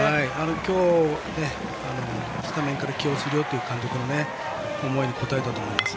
今日、スタメンから起用するよという監督の思いに応えたと思います。